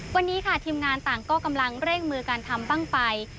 วันนี้ค่ะทีมงานต่างก็กำลังเร่งมือการทำบ้างไฟ